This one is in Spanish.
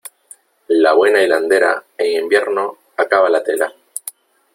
La buena hilandera, en invierno acaba la tela.